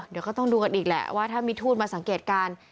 เดี๋ยวก็ต้องดูกันอีกแหละว่าถ้ามีทูตมาสังเกตการณ์